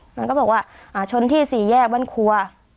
มันก็บอกว่าชนที่สี่แยกบ้านครัว